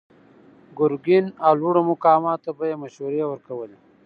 ګرګين او لوړو مقاماتو ته به يې مشورې ورکولې.